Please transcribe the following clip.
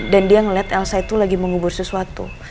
dan dia ngeliat elsa itu lagi mengubur sesuatu